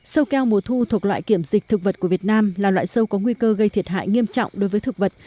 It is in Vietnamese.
sâu keo mùa thu thuộc loại kiểm dịch thực vật của việt nam là loại sâu có nguy cơ gây thiệt hại nghiêm trọng đối với thực vật